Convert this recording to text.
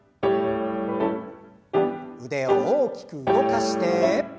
腕を大きく動かして。